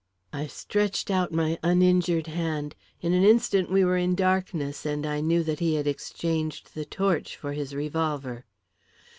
I stretched out my uninjured hand. In an instant we were in darkness, and I knew that he had exchanged the torch for his revolver.